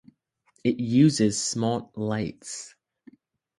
It uses smart lights